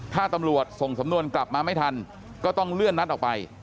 ถ้าตำรวจส่งสำนวนกลับมาไม่ทันก็ต้องเลื่อนนัดออกไป